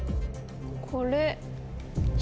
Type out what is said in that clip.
これ。